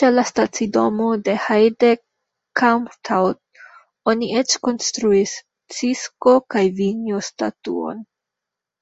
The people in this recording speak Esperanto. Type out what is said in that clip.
Ĉe la stacidomo de Heide-Kalmthout oni eĉ konstruis Cisko-kaj-Vinjo-statuon.